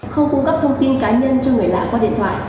không cung cấp thông tin cá nhân cho người lạ qua điện thoại